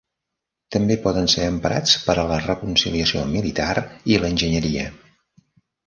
També poden ser emprats per a la reconciliació militar i l'enginyeria.